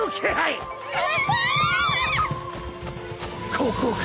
ここか。